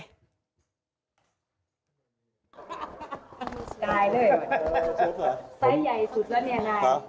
ใส่ใหญ่สุดแล้วนี่อ่ะนาย